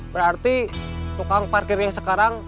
berarti tukang parkirnya sekarang